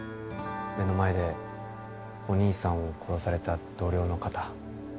目の前でお兄さんを殺された同僚の方